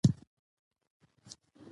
مېلې د ګډو ارزښتونو د درناوي یو فرصت يي.